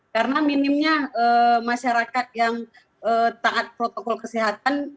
karena minimnya masyarakat yang taat protokol kesehatan di lingkungan